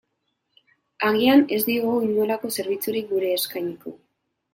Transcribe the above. Agian, ez digu inolako zerbitzurik guri eskainiko.